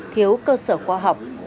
thiếu cơ sở khoa học